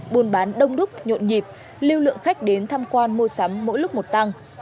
buôn bán đông đúc nhộn nhịp lưu lượng khách đến tham quan mua sắm mỗi lúc một tăng